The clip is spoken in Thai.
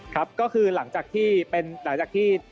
ครับก็คือหลังจากที่เป็นหลังจากที่